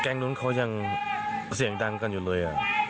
นู้นเขายังเสียงดังกันอยู่เลย